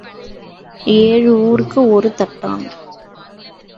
ஏழு ஊருக்கு ஒரு தட்டான்.